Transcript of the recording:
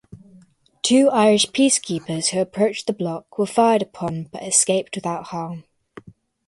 Two Irish peacekeepers who approached the block were fired upon but escaped without harm.